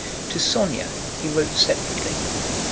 To Sónya he wrote separately.